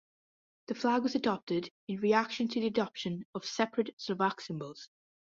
The flag was adopted in reaction to the adoption of separate Slovak symbols.